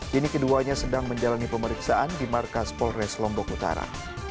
kini keduanya sedang menjalani pemeriksaan di markas polres lombok utara